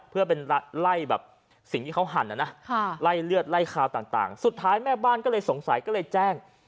เพื่อเป็นไล่แบบสิ่งที่เขาหั่นนะนะไล่เลือดไล่คาวต่างสุดท้ายแม่บ้านก็เลยสงสัยก็เลยแจ้ง